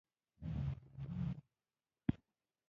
د کور دننه لږ حرکت کول هم روغتیا ته ګټه لري.